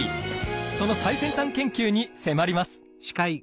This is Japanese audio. その最先端研究に迫ります。